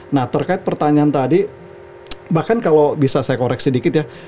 nah terkait pertanyaan tadi bahkan kalau bisa saya koreksi sedikit ya